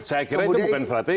saya kira ini bukan strategi